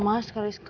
mas kamu suapin aku